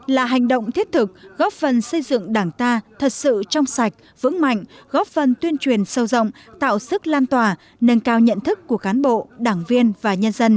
là hành động thiết thực góp phần xây dựng đảng ta thật sự trong sạch vững mạnh góp phần tuyên truyền sâu rộng tạo sức lan tỏa nâng cao nhận thức của cán bộ đảng viên và nhân dân